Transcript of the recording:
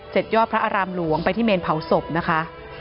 ยอดพระอารามหลวงไปที่เมนเผาศพนะคะ